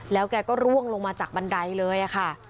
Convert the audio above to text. แล้วแกก็ร่วงลงมาจากบันไดเลยค่ะ